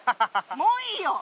もういいよ！